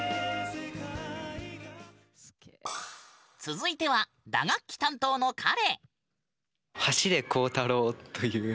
続いては打楽器担当の彼。